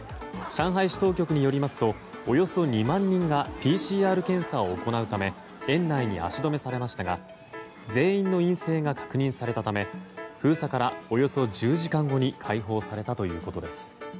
上海市当局によりますとおよそ２万人がＰＣＲ検査を行うため園内に足止めされましたが全員の陰性が確認されたため封鎖から、およそ１０時間後に解放されたということです。